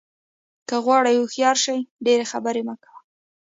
که غواړې هوښیار شې ډېرې خبرې مه کوه.